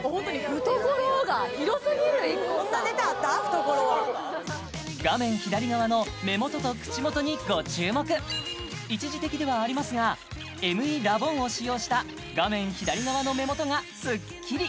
「ふところ」はふところ画面左側の目元と口元にご注目一時的ではありますがＭＥラボンを使用した画面左側の目元がスッキリ！